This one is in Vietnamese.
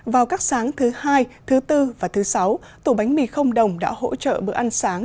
vào các sáng thứ hai thứ bốn và thứ sáu tủ bánh mì không đồng đã hỗ trợ bữa ăn sáng